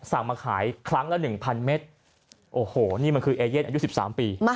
สั่งมาขายครั้งละ๑๐๐เมตรโอ้โหนี่มันคือเอเย่นอายุ๑๓ปี